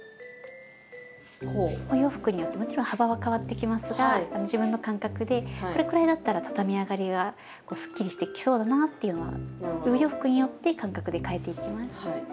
お洋服によってもちろん幅は変わってきますが自分の感覚でこれくらいだったらたたみ上がりがすっきりしてきそうだなっていうのはお洋服によって感覚で変えていきます。